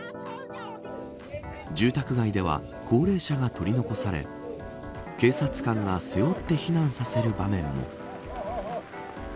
住宅街では高齢者が取り残され警察官が背負って避難させる場面も。